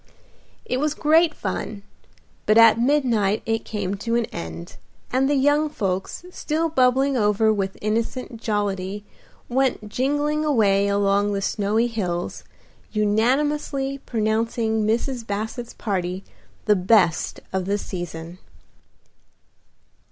It was great fun, but at midnight it came to an end, and the young folks, still bubbling over with innocent jollity, went jingling away along the snowy hills, unanimously pronouncing Mrs. Basset's party the best of the season.